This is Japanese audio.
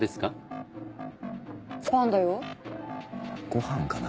ご飯かな。